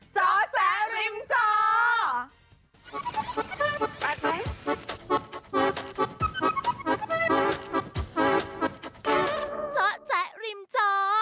จอแจ๊ริมจอ